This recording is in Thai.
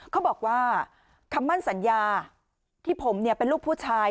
เขาบอกว่าคำมั่นสัญญาที่ผมเป็นลูกผู้ชาย